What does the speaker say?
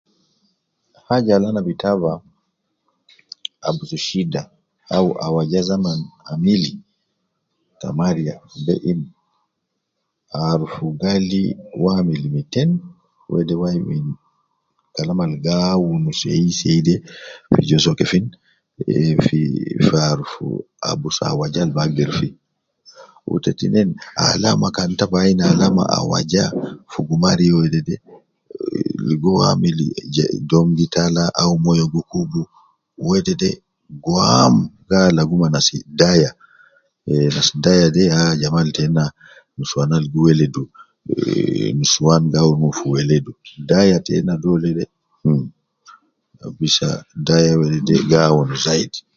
Aja al ana bi taja ab fi shida au awaja zaman amili ta mariya fi be, arufu gali uwo amili miten, wede wai min kalam al gi awun sei sei de, wu ja soo kefin ,eh fi fi arufu abusu awaja al bi agder fi, wu te tinin alama kan ta bi ayin alama awaja fogo mariya wede eh ligo uwo amili je dom gi tala au moyo gi kubu, wedede gwam gi alagu ma nas daya ,ah fi ustu daya de ya ajama tena, nusuwana al gi weledu eh, nusuwan gi awun fi weledu, daya tena dole kabisa, daya wede gi awun zaidi